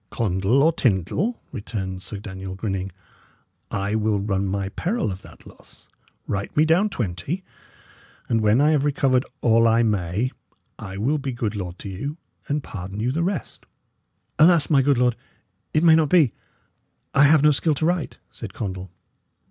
"Condall or Tyndal," returned Sir Daniel, grinning, "I will run my peril of that loss. Write me down twenty, and when I have recovered all I may, I will be good lord to you, and pardon you the rest." "Alas! my good lord, it may not be; I have no skill to write," said Condall.